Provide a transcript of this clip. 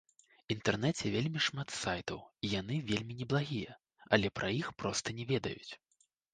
Інтэрнеце вельмі шмат сайтаў і яны вельмі неблагія, але пра іх проста не ведаюць.